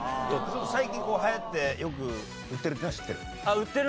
最近流行ってよく売ってるっていうのは知ってる？